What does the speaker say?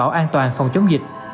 và đảm bảo an toàn phòng chống dịch